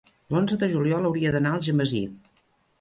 L'onze de juliol hauria d'anar a Algemesí.